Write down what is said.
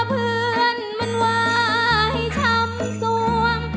เพื่อนมันว่าให้ช้ำสวง